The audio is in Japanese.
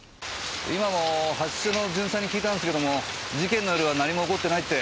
今も派出所の巡査に聞いたんですけども事件の夜は何も起こってないって。